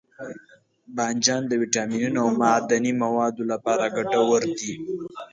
بانجان د ویټامینونو او معدني موادو لپاره ګټور دی.